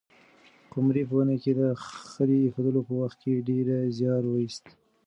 قمرۍ په ونې کې د خلي د اېښودلو په وخت کې ډېر زیار وایست.